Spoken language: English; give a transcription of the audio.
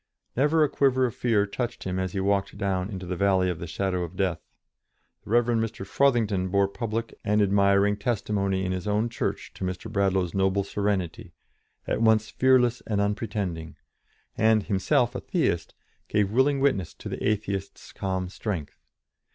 Never a quiver of fear touched him as he walked down into the valley of the shadow of death; the Rev. Mr. Frothingham bore public and admiring testimony in his own church to Mr. Bradlaugh's noble serenity, at once fearless and unpretending, and, himself a Theist, gave willing witness to the Atheist's calm strength.